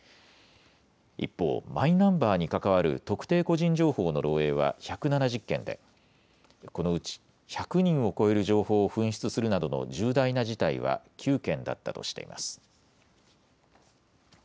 一方、マイナンバーに関わる特定個人情報の漏えいは１７０件で、このうち１００人を超える情報を紛失するなどの重大な事態は９件だったとしています。